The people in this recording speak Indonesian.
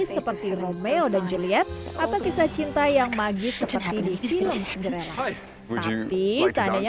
seperti romeo dan jeliet atau kisah cinta yang magis seperti di film segera tapi seandainya